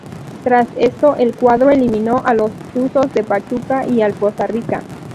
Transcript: Tras esto, el cuadro eliminó a los Tuzos de Pachuca y al Poza Rica.